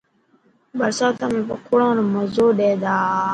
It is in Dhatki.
برستا ۾ پڪوڙا مزو ڏي تا.